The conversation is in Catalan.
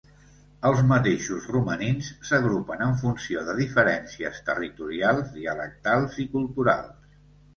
Els mateixos romanins s'agrupen en funció de diferències territorials, dialectals i culturals.